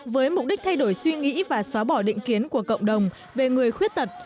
với mục đích thay đổi suy nghĩ và xóa bỏ định kiến của cộng đồng về người khuyết tật